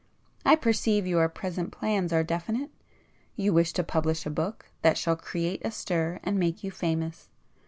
I perceive your present plans are definite,—you wish to publish a book that shall create a stir and make you famous.